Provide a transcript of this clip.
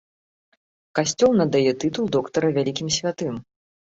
Касцёл надае тытул доктара вялікім святым.